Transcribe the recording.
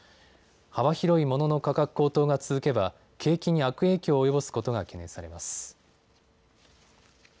幅広いものの価格高騰が続けば景気に悪影響を及ぼすことが懸念されます。